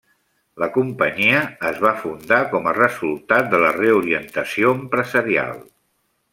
La companyia es va fundar com a resultat de la reorientació empresarial.